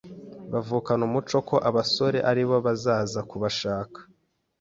bavukana umuco ko abasore aribo bazaza kubashaka,